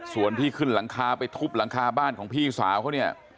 ส่วนที่ขึ้นหลังคาไปทุบหลังคาบ้านของพี่สาวเขาเนี่ย